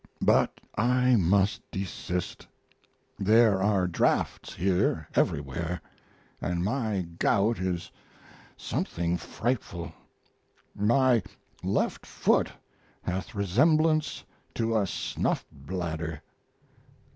But I must desist. There are draughts here everywhere and my gout is something frightful. My left foot hath resemblance to a snuff bladder.